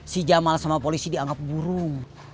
si jamal sama polisi dianggap burung